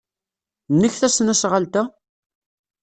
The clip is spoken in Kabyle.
Nnek tesnasɣalt-a?